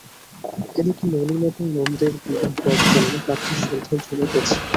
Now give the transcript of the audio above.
এ দিকে নলিন এবং নন্দের বিবাহের জন্য পাত্রীর সন্ধান চলিতেছে।